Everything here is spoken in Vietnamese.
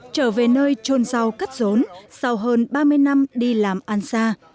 trở về nơi trôn rau cắt rốn sau hơn ba mươi năm đi làm ăn xa